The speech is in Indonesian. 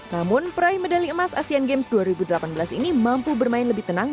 namun peraih medali emas asean games dua ribu delapan belas ini mampu bermain lebih tenang